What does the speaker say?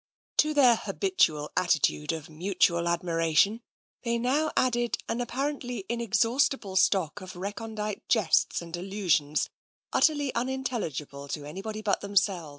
To their habitual attitude of mutual admiration they now added an apparently inexhaustible stock of recondite jests and allusions utterly unintelligible to anybody but themselves.